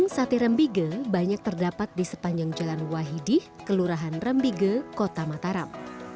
sate rembigege banyak terdapat di sepanjang jalan wahidih kelurahan rembige kota mataram